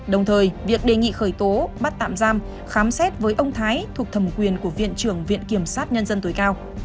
đồng thời việc đề nghị khởi tố bắt tạm giam khám xét với ông thái thuộc thẩm quyền của viện trưởng viện kiểm sát nhân dân tối cao